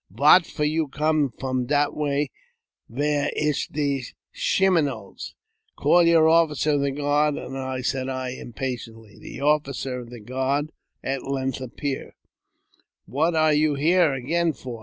" Vat for you come from dat way vere ish de Schimynoles? " Call your officer of the guard," said I, impatiently. The officer of the guard at length appeared. •* What are you here again for